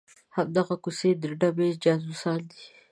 همدغه کوڅې ډبي جاسوسان دي.